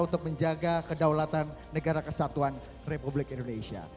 untuk menjaga kedaulatan negara kesatuan republik indonesia